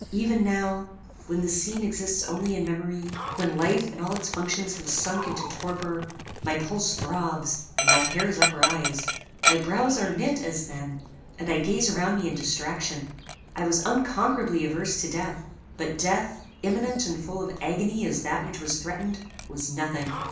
Even now, when this scene exists only in memory, when life and all its functions have sunk into torpor, my pulse throbs, and my hairs uprise: my brows are knit, as then; and I gaze around me in distraction. I was unconquerably averse to death; but death, imminent and full of agony as that which was threatened, was nothing.